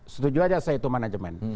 setuju aja saya itu manajemen